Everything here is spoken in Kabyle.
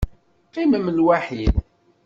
Qqimem lwaḥid.